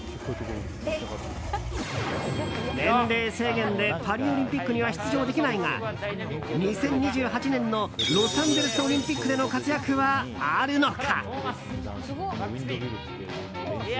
年齢制限でパリオリンピックには出場できないが２０２８年のロサンゼルスオリンピックでの活躍はあるのか？